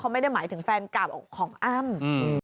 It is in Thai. ไม่ได้หมายถึงแฟนเก่าของอ้ำ